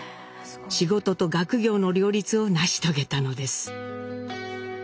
仕事と学業の両立を成し遂げたのです。